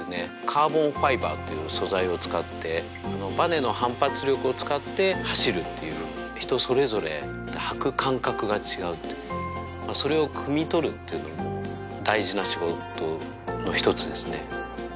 カーボンファイバーという素材を使ってバネの反発力を使って走るっていう人それぞれ履く感覚が違うってそれをくみ取るっていうのも大事な仕事の一つですね